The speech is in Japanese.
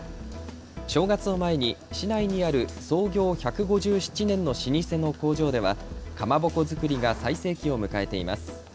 正月を前に市内にある創業１５７年の老舗の工場ではかまぼこ作りが最盛期を迎えています。